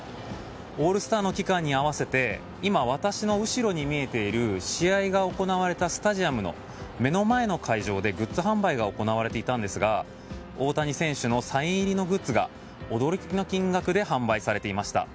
オールスターの期間に合わせて今、私の後ろに見えている試合が行われたスタジアムの目の前の会場でグッズ販売が行われていたんですが大谷選手のサイン入りのグッズが驚きの金額で販売されていました。